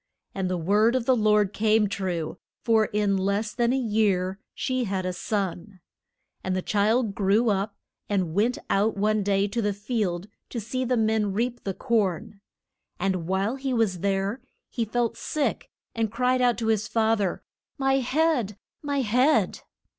And the word of the Lord came true, for in less than a year she had a son. And the child grew up, and went out one day to the field to see the men reap the corn. And while he was there he felt sick, and cried out to his fath er, My head! my head!